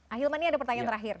ahilman ini ada pertanyaan terakhir